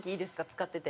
使ってて。